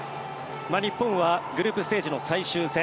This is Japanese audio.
日本はグループステージの最終戦